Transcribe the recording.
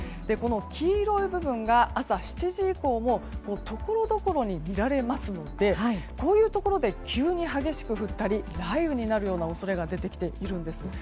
黄色い部分が朝７時以降もところどころに見られますのでこういうところで急に激しく降ったり、雷雨になる恐れも出てきているんです。